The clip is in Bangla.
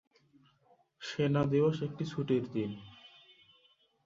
সেনা দিবস একটি ছুটির দিন।